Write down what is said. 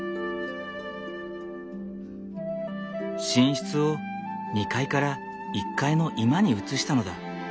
寝室を２階から１階の居間に移したのだ。